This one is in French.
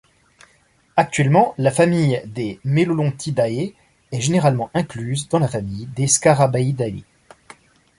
Actuellement, la famille des Melolonthidae est généralement incluse dans la famille des Scarabaeidae.